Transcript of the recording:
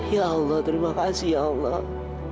ya allah terima kasih ya allah